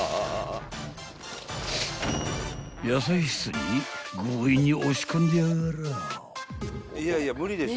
［野菜室に強引に押し込んでやがらぁ］